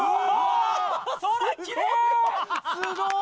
すごい！